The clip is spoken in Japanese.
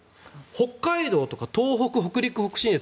北海道とか東北、北陸、北信越